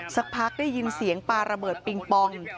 สักพักได้ยินเสียงปลาระเบิดปิงปอง